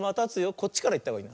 こっちからいったほうがいい。